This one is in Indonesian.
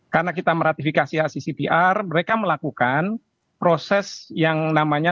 karena kita meratifikasi iccpr mereka melakukan proses yang namanya